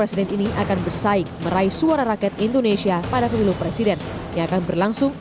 presiden ini akan bersaing meraih suara rakyat indonesia pada pemilu presiden yang akan berlangsung